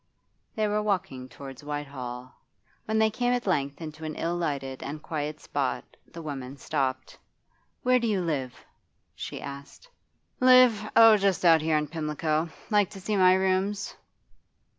They were walking towards Whitehall. When they came at length into an ill lighted and quiet spot, the woman stopped. 'Where do you live?' she asked. 'Live? Oh, just out here in Pimlico. Like to see my rooms?